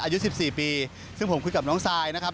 อายุ๑๔ปีซึ่งผมคุยกับน้องซายนะครับ